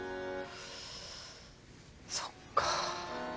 そっか。